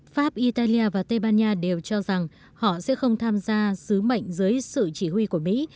pháp italia và tây ban nha đều cho rằng họ sẽ không tham gia sứ mệnh dưới sự chỉ huy của mỹ